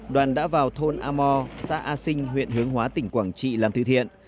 đoàn đã vào thôn amor xã a sinh huyện hướng hóa tỉnh quảng trị làm thư thiện